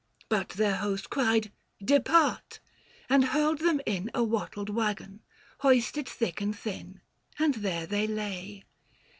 820 But their host cried, ' Depart,' and hurled them in A wattled waggon ; hoisted thick and thin ; And there they lay.